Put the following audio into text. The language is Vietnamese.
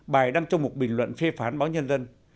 bài đăng trong một bình luận phê phán báo nhân dân